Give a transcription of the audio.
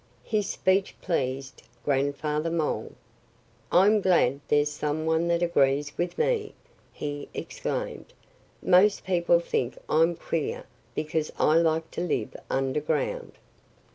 His speech pleased Grandfather Mole. "I'm glad there's some one that agrees with me!" he exclaimed. "Most people think I'm queer because I like to live underground."